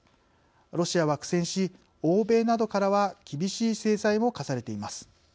ロシアは苦戦し、欧米などからは厳しい制裁も科されています。